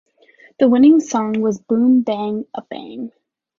The winning song was Boom Bang A Bang.